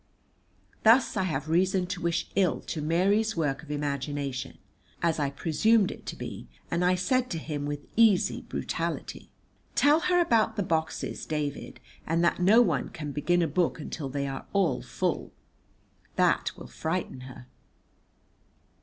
Thus I have reason to wish ill to Mary's work of imagination, as I presumed it to be, and I said to him with easy brutality, "Tell her about the boxes, David, and that no one can begin a book until they are all full. That will frighten her."